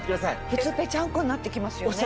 普通ぺちゃんこになってきますよね。